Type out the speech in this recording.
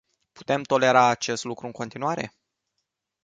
Putem tolera acest lucru în continuare?